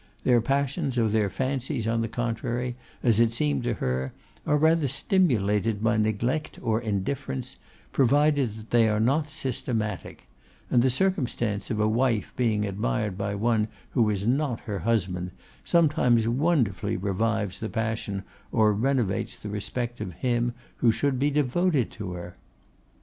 Their passions or their fancies, on the contrary, as it seemed to her, are rather stimulated by neglect or indifference, provided that they are not systematic; and the circumstance of a wife being admired by one who is not her husband sometimes wonderfully revives the passion or renovates the respect of him who should be devoted to her.